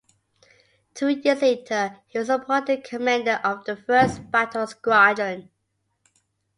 Two years later he was appointed commander of the I Battle Squadron.